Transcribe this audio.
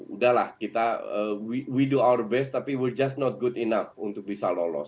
udahlah kita wido our best tapi worl just not good enough untuk bisa lolos